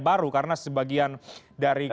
baru karena sebagian dari